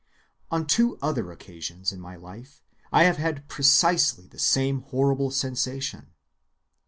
"On two other occasions in my life I have had precisely the same 'horrible sensation.